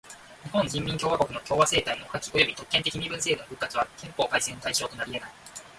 日本人民共和国の共和政体の破棄および特権的身分制度の復活は憲法改正の対象となりえない。